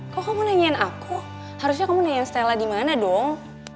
kok kamu nanyain aku harusnya kamu nanyain stella di mana dong